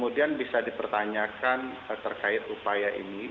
kemudian bisa dipertanyakan terkait upaya ini